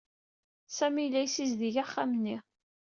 Sami yella yessizdig axxam-nni.